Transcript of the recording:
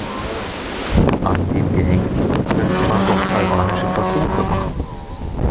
An dem Gehenkten könnte man doch galvanische Versuche machen.